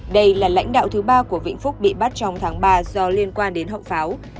đây là lãnh đạo thứ ba của vĩnh phúc bị bắt trong tháng ba do liên quan đến hậu pháo